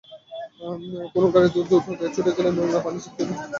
কোনো গাড়ি দ্রুত গতিতে ছুটে গেলে নোংরা পানি ছিটকে দোকানে গিয়ে পড়ে।